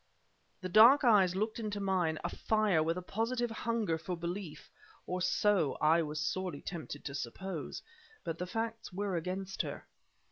The dark eyes looked into mine, afire with a positive hunger for belief or so I was sorely tempted to suppose. But the facts were against her.